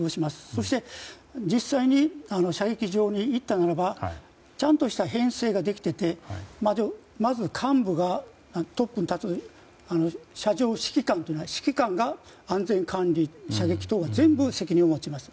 そして実際に射撃場に行ったならばちゃんとした編成ができていてまず幹部がトップに立つ射場指揮官が安全管理、射撃等は全部責任を持ちます。